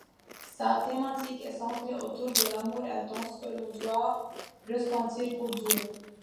Sa thématique est centrée autour de l'amour intense que l'on doit ressentir pour Dieu.